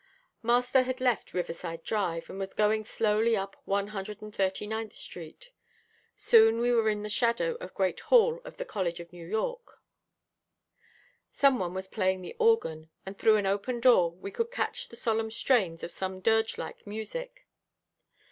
Master had left Riverside Drive, and was going slowly up One Hundred and Thirty ninth Street. Soon we were in the shadow of Great Hall of the College of New York. Some one was playing the organ, and through an open door, we could catch the solemn strains of some dirge like music.